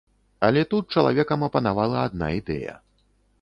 Але тут чалавекам апанавала адна ідэя.